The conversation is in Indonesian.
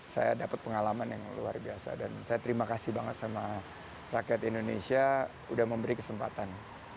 saya dapat pengalaman yang luar biasa dan saya terima kasih banget sama rakyat indonesia udah memberi kesempatan